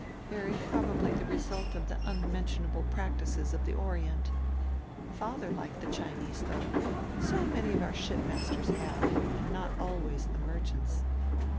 Very probably the result of the unmentionable practices of the Orient. Father liked the Chinese though; so many of our shipmasters have, and not always the merchants....